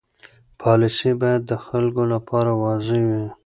پالیسي باید د خلکو لپاره واضح وي.